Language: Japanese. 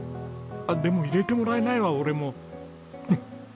あっでも入れてもらえないわ俺も。